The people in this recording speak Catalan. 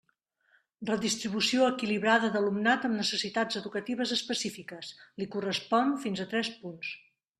Redistribució equilibrada d'alumnat amb necessitats educatives específiques, li correspon fins a tres punts.